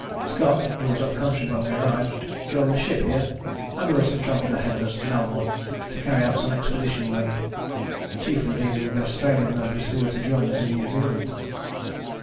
Scott, who was up country when we arrived, joined the ship here, and Wilson travelled ahead of us to Melbourne to carry out some expedition work, chiefly dealing with the Australian members who were to join us in New Zealand.